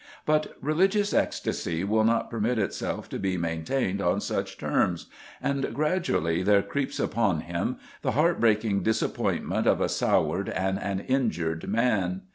But religious ecstasy will not permit itself to be maintained on such terms, and gradually there creeps upon him the heart breaking disappointment of a soured and an injured man.